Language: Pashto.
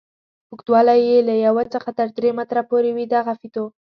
اوږدوالی یې له یوه څخه تر درې متره پورې وي دغه فیتو.